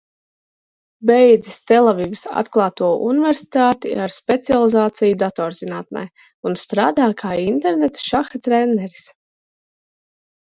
Beidzis Telavivas Atklāto universitāti ar specializāciju datorzinātnē un strādā kā interneta šaha treneris.